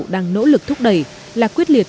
đang nỗ lực thúc đẩy là quyết liệt